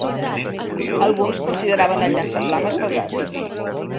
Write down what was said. Alguns consideraven el llançaflames pesat.